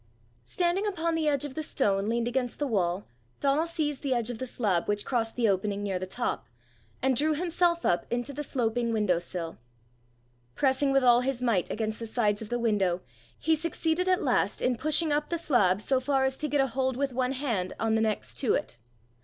Standing upon the edge of the stone leaned against the wall, Donal seized the edge of the slab which crossed the opening near the top, and drew himself up into the sloping window sill. Pressing with all his might against the sides of the window, he succeeded at last in pushing up the slab so far as to get a hold with one hand on the next to it.